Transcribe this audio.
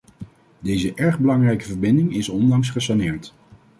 Deze erg belangrijke verbinding is onlangs gesaneerd.